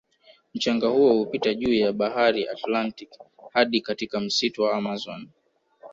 Mchanga huo hupita juu ya bahari Atlantic hadi katika msitu wa amazon